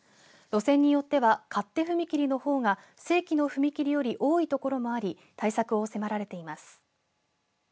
路線によっては勝手踏切のほうが正規の踏切より多い所もあり対策を迫られています。